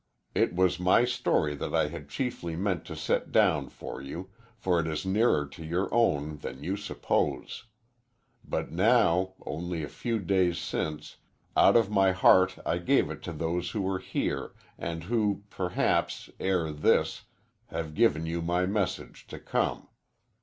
It was my story that I had chiefly meant to set down for you, for it is nearer to your own than you suppose. But now, only a few days since, out of my heart I gave it to those who were here and who, perhaps, ere this, have given you my message to come.